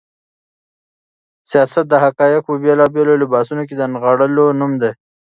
سياست د حقايقو په بېلابېلو لباسونو کې د نغاړلو نوم دی.